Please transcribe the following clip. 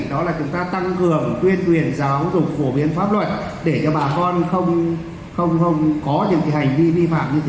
đó là chúng ta tăng cường quyền quyền giáo dục phổ biến pháp luật để cho bà con không có những hành vi vi phạm như thế này